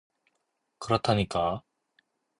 그렇다니까.